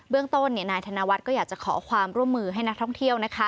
เรื่องต้นนายธนวัฒน์ก็อยากจะขอความร่วมมือให้นักท่องเที่ยว